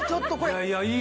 いやいやいい！